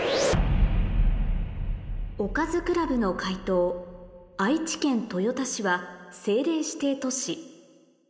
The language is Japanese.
おかずクラブの解答「愛知県豊田市は政令指定都市」